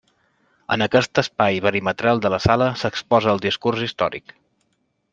En aquest espai perimetral de la sala s'exposa el discurs històric.